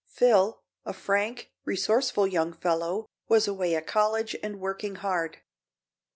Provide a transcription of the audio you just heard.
Phil, a frank, resourceful young fellow, was away at college and working hard.